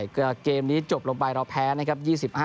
เกมนี้จบลงไปเราแพ้นะครับ